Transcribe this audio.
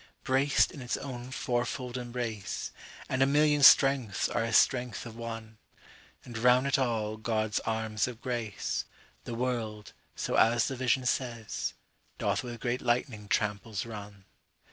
38Braced in its own fourfold embrace39(And a million strengths are as strength of one)40And round it all God's arms of grace,41The world, so as the Vision says,42Doth with great lightning tramples run.